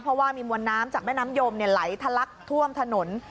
เพราะว่ามีมวลน้ำจากแม่น้ำยมไหลทะลักท่วมถนน